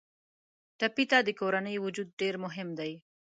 ټپي ته د کورنۍ وجود ډېر مهم دی.